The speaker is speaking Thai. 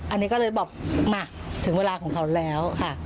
อันนี้ก็เลยบอกมาถึงเวลาของเขาแล้วค่ะ